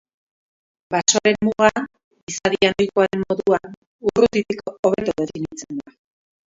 Basoaren muga, izadian ohikoa den moduan, urrutitik hobeto definitzen da.